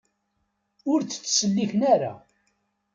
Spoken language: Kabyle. Ur tt-ttselliken ara.